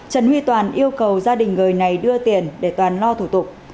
trần huy toàn yêu cầu gia đình người này đưa tiền để toàn lo thủ tục